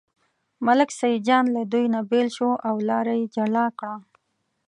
ملک سیدجان له دوی نه بېل شو او لاره یې جلا کړه.